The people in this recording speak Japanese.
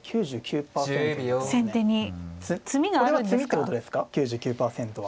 これは詰みってことですか９９％は。